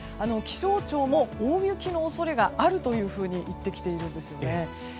気象庁も大雪の恐れがあるというふうに言ってきているんです。